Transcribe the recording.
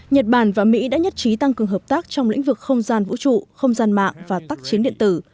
nhật bản và mỹ đã nhất trí tăng cường hợp tác trong lĩnh vực không gian vũ trụ không gian mạng và tác chiến điện tử